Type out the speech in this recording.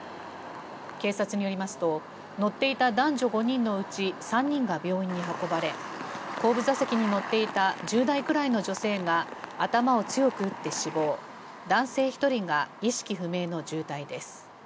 警察によりますと乗っていた男女５人のうち３人が病院に運ばれ後部座席に乗っていた１０代くらいの女性が頭を強く打って死亡男性１人が意識不明の重体です。